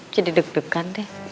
jadi deg degan deh